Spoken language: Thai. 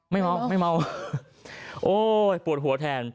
ไม่เมาไม่เมา